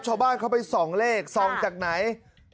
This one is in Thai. ชาวบ้านเขาไปส่องเลขส่องจากไหน